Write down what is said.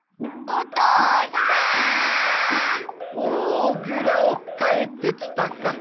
おおグラオかえってきたか。